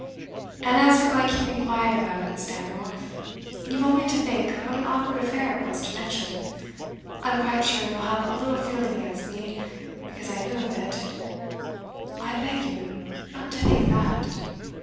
'And as for my keeping quiet about it, Mrs. Damerel, you've only to think what an awkward affair it was to mention. I'm quite sure you'll have a little feeling against me, because I knew of it ' 'I beg you not to think that!